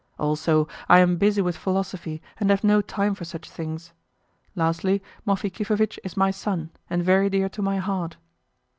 Also, I am busy with philosophy, and have no time for such things. Lastly, Moki Kifovitch is my son, and very dear to my heart."